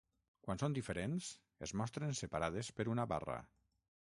Quan són diferents, es mostren separades per una barra.